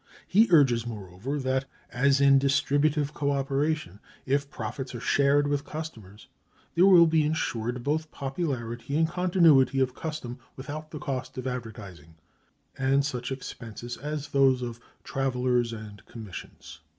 He urges, moreover, that, as in distributive co operation, if profits are shared with customers, there will be insured both popularity and continuity of custom without the cost of advertising, and such expenses as those of travelers and commissions.